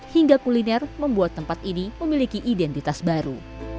hingga kuliner membuat tempat ini memiliki identitas baru